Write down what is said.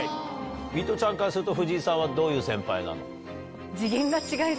ミトちゃんからすると藤井さんはどういう先輩なの？